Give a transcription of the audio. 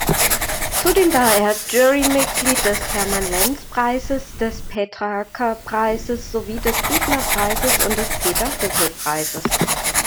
Zudem war er Jurymitglied des Hermann-Lenz-Preises, des Petrarca-Preises, sowie des Büchner-Preises und des Peter-Huchel-Preises.